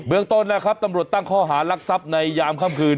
เมืองต้นนะครับตำรวจตั้งข้อหารักทรัพย์ในยามค่ำคืน